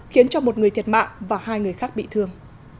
khiến cho một người thiệt mạng và hai người khác bị thương